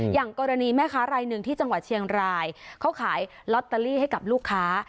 อย่างกรณีแม่ค้ารายหนึ่งที่จังหวัดเชียงรายเขาขายลอตเตอรี่ให้กับลูกค้า